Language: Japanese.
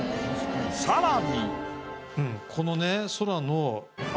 さらに。